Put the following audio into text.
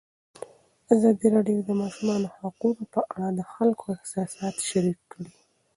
ازادي راډیو د د ماشومانو حقونه په اړه د خلکو احساسات شریک کړي.